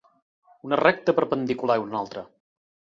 Una recta perpendicular a una altra.